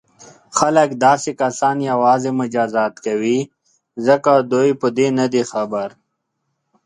خلک داسې کسان یوازې مجازات کوي ځکه دوی په دې نه دي خبر.